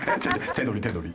手取り手取り。